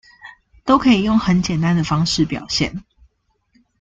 都可以用很簡單的方式表現